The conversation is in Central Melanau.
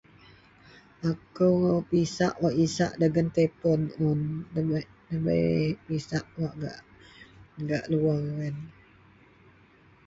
Akou wak pisak wak isak dagen tepong un, debei pisak gak luwer yen